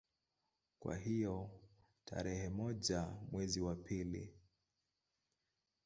Kwa hiyo tarehe moja mwezi wa pili